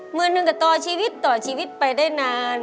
หมื่นหนึ่งก็ต่อชีวิตต่อชีวิตไปได้นาน